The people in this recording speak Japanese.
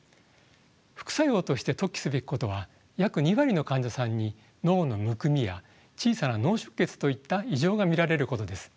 副作用として特記すべきことは約２割の患者さんに脳のむくみや小さな脳出血といった異常が見られることです。